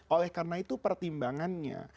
oleh karena itu pertimbangannya